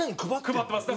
配ってます。